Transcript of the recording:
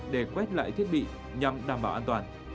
để quét lại thiết bị nhằm đảm bảo an toàn